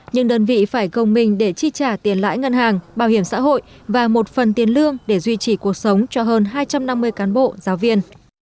nhưng đơn vị phải gồng mình để chi trả tiền lãi ngân hàng bảo hiểm xã hội và một phần tiền lương để duy trì cuộc sống cho hơn hai trăm năm mươi cán bộ giáo viên